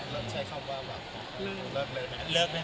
เลิกได้ไหม